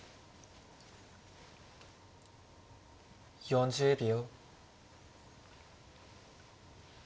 ４０秒。